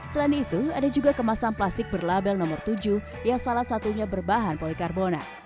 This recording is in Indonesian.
selain itu ada juga kemasan plastik berlabel nomor tujuh yang salah satunya berbahan polikarbonat